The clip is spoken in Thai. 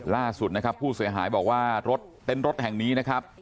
ล่าสุดนะครับผู้เสียหายบอกว่ารถเต้นรถแห่งนี้นะครับ